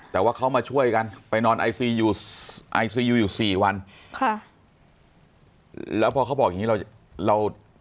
แต่ว่าเขามาช่วยกันไปนอนอยู่สี่วันค่ะแล้วพอเขาบอกอย่างงี้เรา